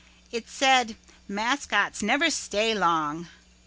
It said, 'Mascots never stay long.'"